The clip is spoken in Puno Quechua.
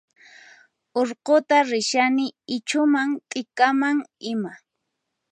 Urqutan rishani ichhuman t'ikaman ima